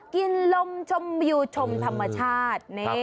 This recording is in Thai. กินลมชมวิวชมธรรมชาติ